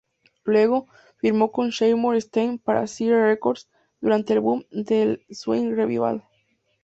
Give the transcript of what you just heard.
Luego, firmó con Seymour Stein para Sire Records, durante el boom del swing revival.